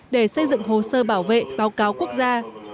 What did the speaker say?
để xây dựng hồ sơ bảo vệ báo cáo quốc gia